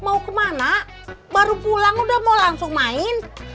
mau kemana baru pulang udah mau langsung main